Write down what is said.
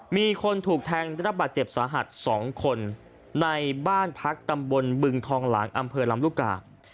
มีคนถูกแทงได้รับบาดเจ็บสาหัส๒คนในบ้านพักตำบลบึงทองหลางอำเภอลำลูกกา